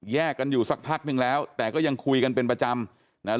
กันอยู่สักพักนึงแล้วแต่ก็ยังคุยกันเป็นประจำนะฮะ